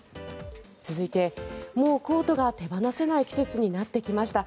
続いて、もうコートが手放せない季節になってきました。